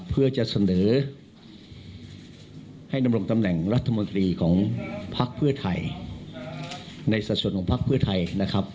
เพื่อจะเสนอให้ดำรงตำแหน่งรัฐมนตรีของพักเพื่อไทยในสัดส่วนของพักเพื่อไทยนะครับ